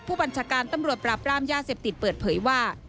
ผู้บัญชาการตำรวจปราบรามยาเสพติดเปิดเผยว่า